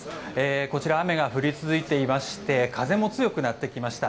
こちら、雨が降り続いていまして風も強くなってきました。